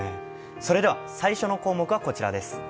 それでは最初の項目はこちらです。